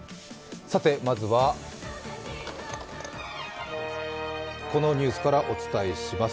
さて、まずはこのニュースからお伝えします。